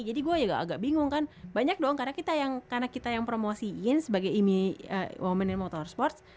jadi gue juga agak bingung kan banyak dong karena kita yang promosiin sebagai imi women in motorsport